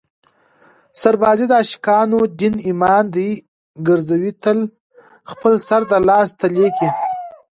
سربازي د عاشقانو دین ایمان دی ګرزوي تل خپل سر د لاس تلي کې